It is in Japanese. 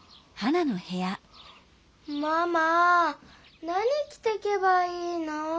ママ何きてけばいいの？